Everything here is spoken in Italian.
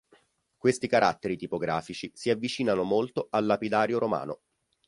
Questi caratteri tipografici si avvicinano molto al lapidario romano.